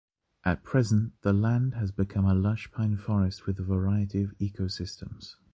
At present, the land has become a lush pine forest with a variety of ecosystems.